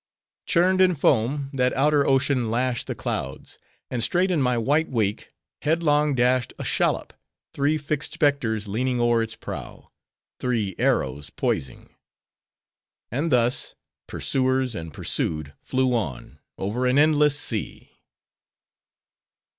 Churned in foam, that outer ocean lashed the clouds; and straight in my white wake, headlong dashed a shallop, three fixed specters leaning o'er its prow: three arrows poising. And thus, pursuers and pursued flew on, over an endless sea.